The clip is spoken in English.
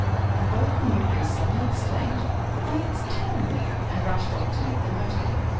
And both the Newberrys suddenly exclaimed, "Why, it's Tom!" and rushed off to meet the motor.